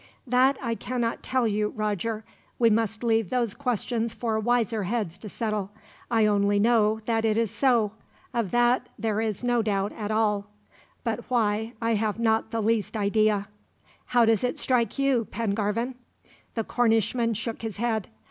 "That I cannot tell you, Roger. You must leave those questions for wiser heads to settle. I only know that it is so of that there is no doubt at all; but why, I have not the least idea. "How does it strike you, Pengarvan?" The Cornishman shook his head.